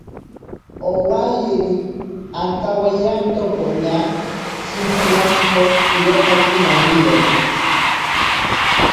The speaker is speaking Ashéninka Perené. Owayeri, antawairianto poña shintsiyanto... irotaki noniro.